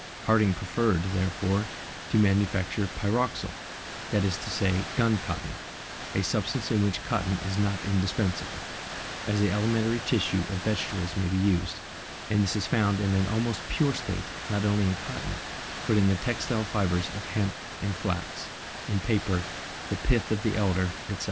Harding preferred, therefore, to manufacture pyroxyle, that is to say gun cotton, a substance in which cotton is not indispensable, as the elementary tissue of vegetables may be used, and this is found in an almost pure state, not only in cotton, but in the textile fibres of hemp and flax, in paper, the pith of the elder, etc.